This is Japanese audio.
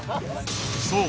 ［そう。